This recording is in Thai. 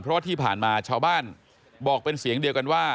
เพราะว่าที่ผ่านมาชาวบ้านบอกเป็นเสียงเดียวกันว่า